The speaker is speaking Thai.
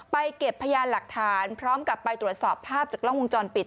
เก็บพยานหลักฐานพร้อมกับไปตรวจสอบภาพจากกล้องวงจรปิด